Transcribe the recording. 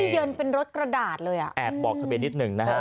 เยินเป็นรถกระดาษเลยอ่ะแอบบอกทะเบียนิดหนึ่งนะฮะ